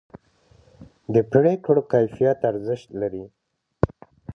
د پرېکړو کیفیت ارزښت لري